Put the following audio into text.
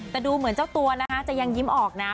แต่ดูเหมือนเจ้าตัวนะคะจะยังยิ้มออกนะ